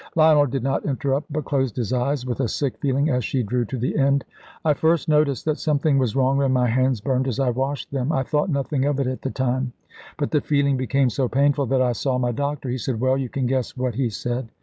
Lionel did not interrupt, but closed his eyes with a sick feeling as she drew to the end. "I first noticed that something was wrong when my hands burned as I washed them. I thought nothing of it at the time; but the feeling became so painful that I saw my doctor. He said well, you can guess what he said.